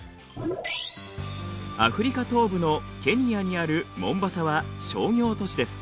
アフリカ東部のケニアにあるモンバサは商業都市です。